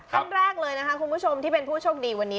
ครั้งแรกเลยคุณผู้ชมที่เป็นผู้โชคดีวันนี้